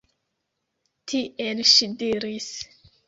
Tiel ŝi diris.